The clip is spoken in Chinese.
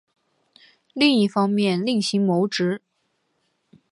另一方面另行谋职